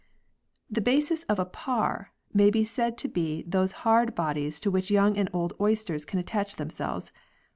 The basis of a paar may be said to be those hard bodies to which young and old oysters can attach themselves.